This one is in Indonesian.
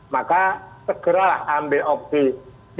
maka segeralah ambil opsi